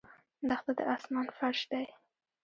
دښته د آسمان فرش دی.